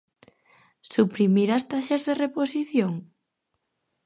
¿Suprimir as taxas de reposición?